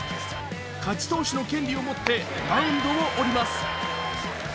勝ち投手の権利を持ってマウンドを降ります。